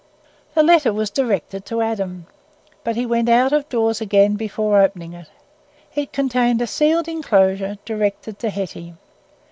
The letter was directed to Adam, but he went out of doors again before opening it. It contained a sealed enclosure directed to Hetty.